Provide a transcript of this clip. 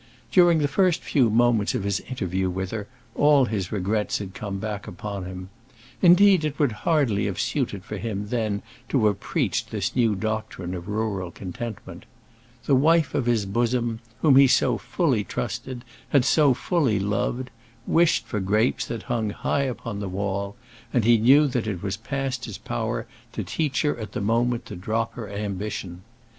During the first few moments of his interview with her all his regrets had come back upon him. Indeed, it would have hardly suited for him then to have preached this new doctrine of rural contentment. The wife of his bosom, whom he so fully trusted had so fully loved wished for grapes that hung high upon the wall, and he knew that it was past his power to teach her at the moment to drop her ambition.